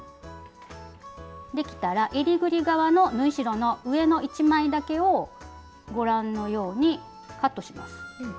できたらえりぐり側の縫い代の上の１枚だけをご覧のようにカットします。